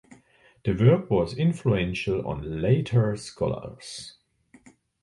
The work was influential on later scholars.